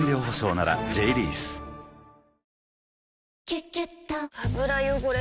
「キュキュット」油汚れ